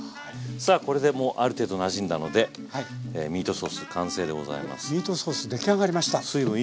さあこれでもうある程度なじんだのでミートソース完成でございます。